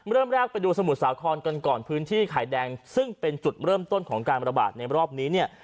เริ่มแรกไปดูสมุทรสาครกันก่อนพื้นที่ไข่แดงซึ่งเป็นจุดเริ่มต้นของการระบาดในรอบนี้เนี่ย